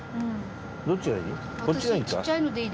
どっちがいい？